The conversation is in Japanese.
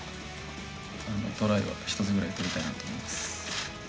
トライは１つくらい取りたいなと思います。